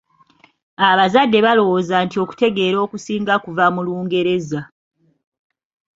Abazadde balowooza nti okutegeera okusinga kuva mu Lungereza.